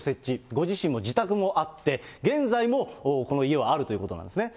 ご自身の自宅もあって、現在もこの家はあるということなんですね。